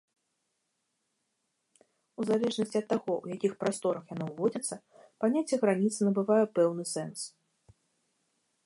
У залежнасці ад таго, ў якіх прасторах яно ўводзіцца, паняцце граніцы набывае пэўны сэнс.